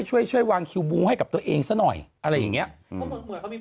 ช่วยวางคิวบู้งให้กับตัวเองสักหน่อยอะไรอย่างเงี้ยเหมือนเขามี